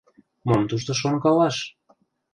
— Мом тушто шонкалаш?